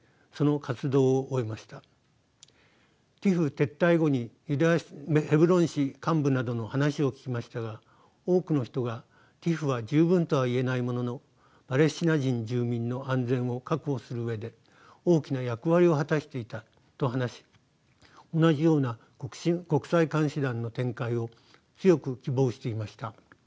撤退後にヘブロン市幹部などの話を聞きましたが多くの人がＴＩＰＨは十分とは言えないもののパレスチナ人住民の安全を確保する上で大きな役割を果たしていたと話し同じような国際監視団の展開を強く希望していました。